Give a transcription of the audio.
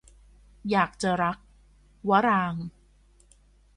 อยากจะรัก - วรางค์